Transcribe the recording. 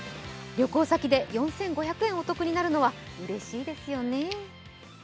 旅行先で４５００円お得になるのはうれしいですよね。